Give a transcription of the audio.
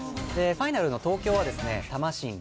ファイナルの東京は、たましん